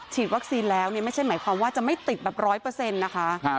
วัคซีนแล้วไม่ใช่หมายความว่าจะไม่ติดแบบ๑๐๐นะคะ